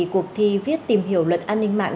cuộc thi viết tìm hiểu luật an ninh mạng